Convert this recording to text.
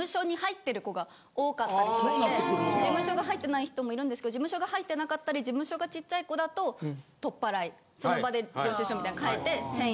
事務所が入ってない人もいるんですけど事務所が入ってなかったり事務所がちっちゃい子だと取っ払いその場で領収書みたいな書いて１０００円。